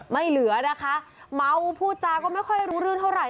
เหลือนะคะเมาพูดจาก็ไม่ค่อยรู้เรื่องเท่าไหร